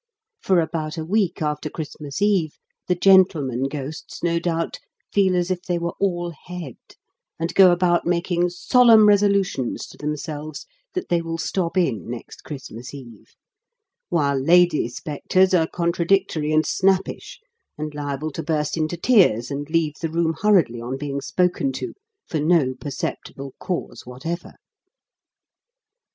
For about a week after Christmas Eve, the gentlemen ghosts, no doubt, feel as if they were all head, and go about making solemn resolutions to themselves that they will stop in next Christmas Eve; while lady spectres are contradictory and snappish, and liable to burst into tears and leave the room hurriedly on being spoken to, for no perceptible cause whatever.